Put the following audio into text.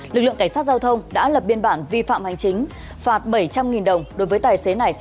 lực lượng cảnh sát giao thông đã lập biên bản vi phạm hành chính phạt bảy trăm linh đồng đối với tài xế này